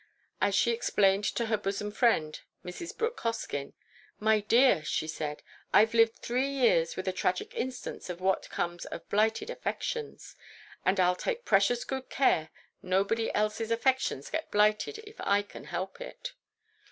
As she explained to her bosom friend, Mrs. Brooke Hoskyn, "My dear," she said, "I've lived three years with a tragic instance of what comes of blighted affections; and I'll take precious good care nobody else's affections get blighted if I can help it."